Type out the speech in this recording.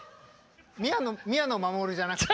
宮野真守じゃなくて？